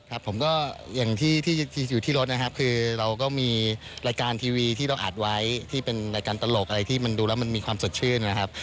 ครับผมก็อย่างที่อยู่ที่รถนะครับคือเราก็มีรายการทีวีที่เราอัดไว้ที่เป็นรายการตลกอะไรที่มันดูแล้วมันมีความสดชื่นนะครับ